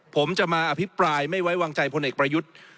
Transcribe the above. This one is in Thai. ผมจะมาอภิปรายไม่ไว้วางใจพลเอกประยุทธ์